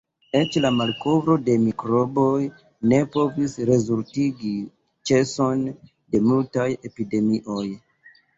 Eĉ la malkovro de mikroboj ne povis rezultigi ĉeson de multaj epidemioj.